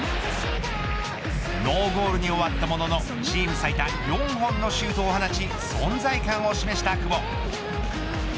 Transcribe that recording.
ノーゴールに終わったもののチーム最多４本のシュートを放ち存在感を示した久保。